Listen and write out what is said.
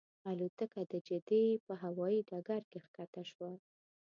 الوتکه د جدې په هوایي ډګر کې ښکته شوه.